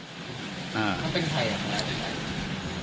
แล้วเป็นใครอ่ะน่าจะเป็นใคร